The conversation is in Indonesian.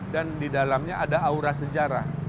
dan di dalamnya ada aura sejarah